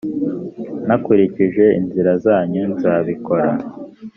ntakurikije inzira zanyu nzabikora